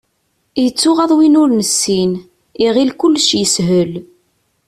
Yettuɣaḍ win ur nessin, iɣill kullec yeshel.